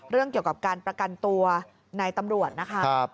เรื่องเกี่ยวกับการประกันตัวในตำรวจนะคะ